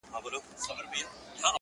o بل وايي دود بل وايي جرم,